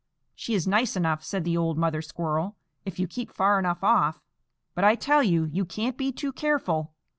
"She is nice enough," said the old mother squirrel, "if you keep far enough off; but I tell you, you can't be too careful."